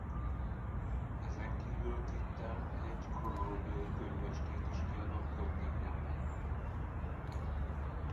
Ezeken kívül Tittel egy kronológiai könyvecskét is kiadott Göttingenben.